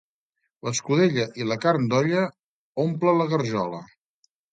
L'escudella i la carn d'olla omple la garjola.